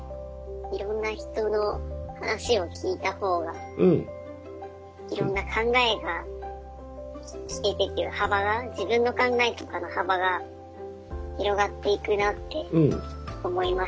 いろんな人の話を聞いた方がいろんな考えが聞けてっていう幅が自分の考えとかの幅が広がっていくなって思いました。